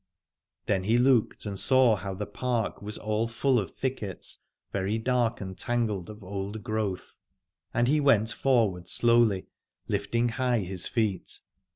Then he looked and saw how the park was all full of thickets, very dark and tangled of old growth ; and he went forward slowly, lifting high his feet.